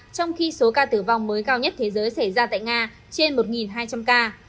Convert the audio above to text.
trong khi số ca tử vong mới cao nhất thế giới xảy ra tại nga trên một hai trăm linh ca